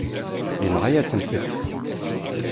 Yenɣa-yasent-tt.